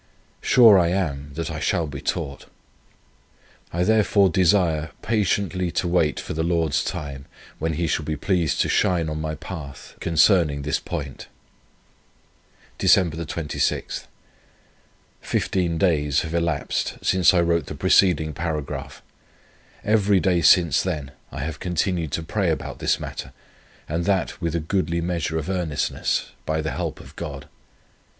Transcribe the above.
Sure I am, that I shall be taught. I therefore desire patiently to wait for the Lord's time, when He shall be pleased to shine on my path concerning this point. "Dec. 26. Fifteen days have elapsed since I wrote the preceding paragraph. Every day since then I have continued to pray about this matter, and that with a goodly measure of earnestness, by the help of God.